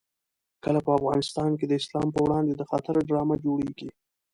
کله په افغانستان کې د اسلام په وړاندې د خطر ډرامه جوړېږي.